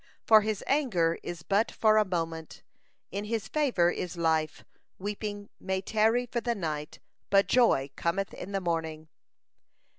For His anger is but for a moment; in His favor is life; weeping may tarry for the night, but joy cometh in the morning."